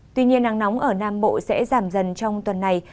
tuy nhiên nắng nóng ở nam bộ sẽ giảm dần trong tuần này